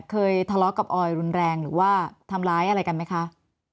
เคยทะเลาะกับออยรุนแรงหรือว่าทำร้ายอะไรกันไหมคะ